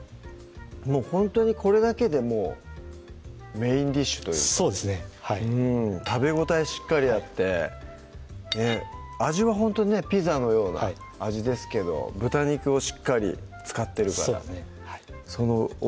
もうほんとにこれだけでもうメインディッシュというかそうですねはいうん食べ応えしっかりあって味はほんとにねピザのような味ですけど豚肉をしっかり使ってるからそうですね